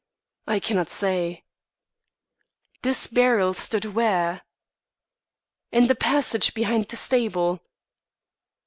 "I cannot say." "This barrel stood where?" "In the passage behind the stable."